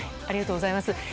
ありがとうございます。